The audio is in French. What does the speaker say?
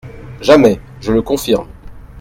Jamais, je le confirme.